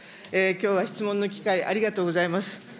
きょうは質問の機会、ありがとうございます。